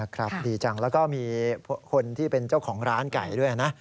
ครับดีจังแล้วก็มีคนที่เป็นเจ้าของร้านไก่ด้วยนะ